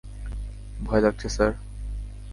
ভয় লাগছে, স্যার।